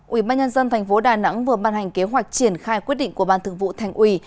ủy ban nhân dân tp đà nẵng vừa ban hành kế hoạch triển khai quyết định của ban thường vụ thành ủy